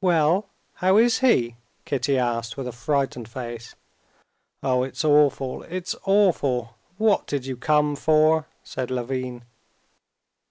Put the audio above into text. "Well, how is he?" Kitty asked with a frightened face. "Oh, it's awful, it's awful! What did you come for?" said Levin.